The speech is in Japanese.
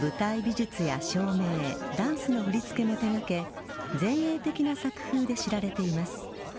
舞台美術や照明ダンスの振り付けも手がけ前衛的な作風で知られています。